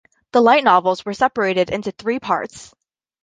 The light novels were separated into three parts.